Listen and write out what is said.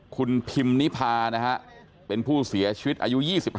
คุณพิมนิพานะฮะเป็นผู้เสียชีวิตอายุ๒๕